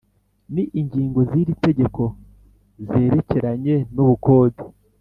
Ni ingingo z’iri tegeko zerekeranye n’ubukode